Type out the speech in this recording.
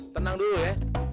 tenang dulu ya